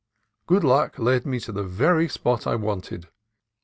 Good luck led me to the very spot I wanted.